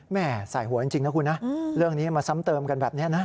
แม่ใส่หัวจริงนะคุณนะเรื่องนี้มาซ้ำเติมกันแบบนี้นะ